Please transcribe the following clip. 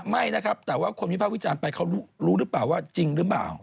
ไม่นะครับแต่ว่าคนวิภาพวิจารณ์ไปเขารู้หรือเปล่าว่าจริงหรือเปล่า